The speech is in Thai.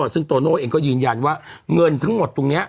ซึ่งโตโน่เองก็ยืนยันว่าเงินทั้งหมดตรงนี้